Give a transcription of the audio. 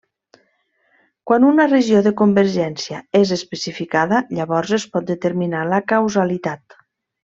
Quan una regió de convergència és especificada, llavors es pot determinar la causalitat.